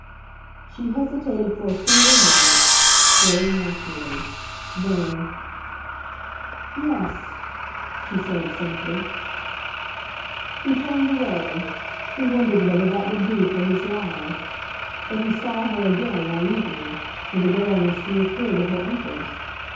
She hesitated for a single moment—very naturally. Then, "Yes," she said, simply. He turned away; he wondered whether that would do for his lie. But he saw her again that evening, for the Baroness reappeared at her uncle's.